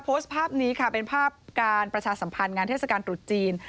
โพสต์ภาพนี้ค่ะเป็นภาพการประชาสัมพันธ์งานเทศกาลตรุษจีน